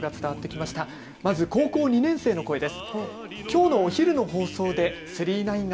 まずは高校２年生の声です。